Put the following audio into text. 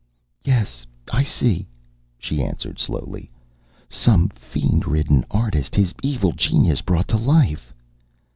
"Yes, I see," she answered slowly. "Some fiend ridden artist his evil genius brought it to life."